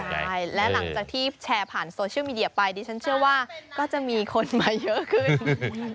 ใช่และหลังจากที่แชร์ผ่านโซเชียลมีเดียไปดิฉันเชื่อว่าก็จะมีคนมาเยอะขึ้น